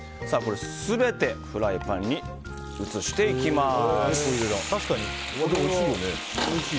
全てフライパンに移していきます。